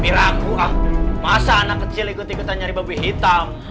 ragu ah masa anak kecil ikut ikutan nyari babi hitam